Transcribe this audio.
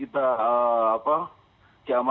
dari pihak kita apa